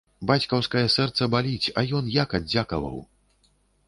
Бацькаўскае сэрца баліць, а ён як аддзякаваў?